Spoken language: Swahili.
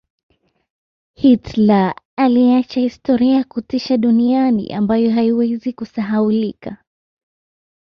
Hitler aliacha historia ya kutisha duniani ambayo haiwezi kusahaulika